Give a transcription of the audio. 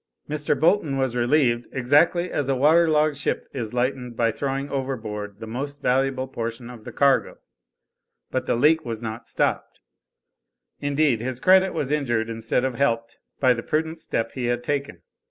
Mr. Bolton was relieved, exactly as a water logged ship is lightened by throwing overboard the most valuable portion of the cargo but the leak was not stopped. Indeed his credit was injured instead of helped by the prudent step he had taken.